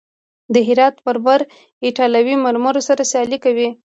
د هرات مرمر ایټالوي مرمرو سره سیالي کوي.